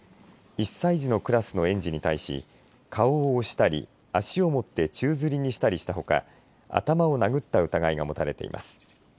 １歳児のクラスの園児に対し顔を押したり足を持って宙づりにしたりしたほか頭を殴った疑いが持たれています。